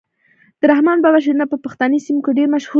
د رحمان بابا شعرونه په پښتني سیمو کي ډیر مشهور دي.